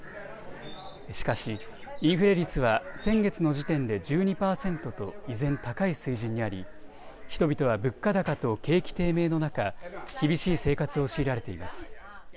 しかしインフレ率は先月の時点で１２％と依然、高い水準にあり人々は物価高と景気低迷の中、厳しい生活を強いられています。